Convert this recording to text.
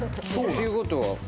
っていうことは。